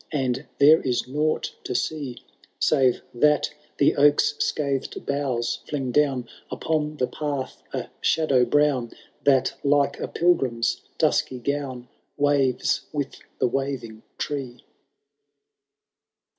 And there is nought to see, Save that the oak's scathed boughs fiing down Upon the path a shadow brown. That, like a pilgrim's dusky gown. Waves with the waving tree.'